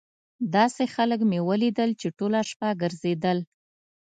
داسې خلک مې ولیدل چې ټوله شپه ګرځېدل.